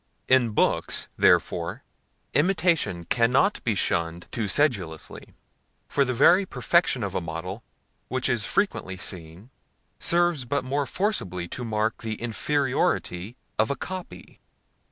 In books, therefore, imitation cannot be shunned too sedulously; for the very perfection of a model which is frequently seen, serves but more forcibly to mark the inferiority of a copy.